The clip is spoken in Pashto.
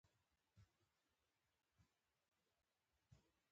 غول د غوړ له امله براق کېږي.